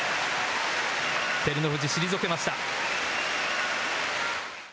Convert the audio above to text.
照ノ富士、退けました。